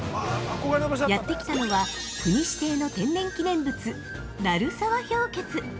◆やってきたのは、国指定の天然記念物、鳴沢氷穴。